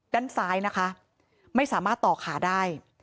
ด้านซ้ายนะคะไม่สามารถต่อขาได้